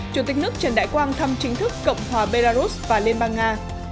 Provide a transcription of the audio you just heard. chủ tịch nước trần đại quang thăm chính thức cộng hòa belarus và liên bang nga